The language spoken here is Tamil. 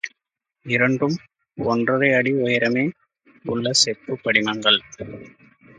இரண்டும் ஒன்றரை அடி உயரமே உள்ள செப்புப் படிமங்கள்.